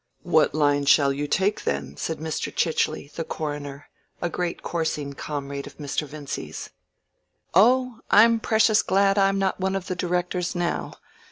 "What line shall you take, then?" said Mr. Chichely, the coroner, a great coursing comrade of Mr. Vincy's. "Oh, I'm precious glad I'm not one of the Directors now.